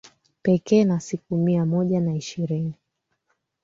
Pekee na siku mia moja na ishirini